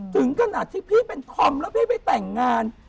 ถึงขนาดที่พี่เป็นธอมแล้วพี่ไปแต่งงาน